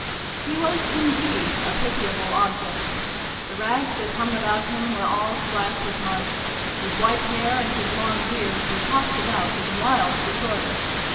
He was indeed a pitiable object : the rags, that hung about him, were all splashed with mud : his white hair and his long beard were tossed about in wild disorder.